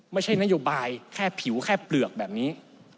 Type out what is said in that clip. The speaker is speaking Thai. ไม่ใช่นโยบายแค่ผิวแค่เปลือกแบบนี้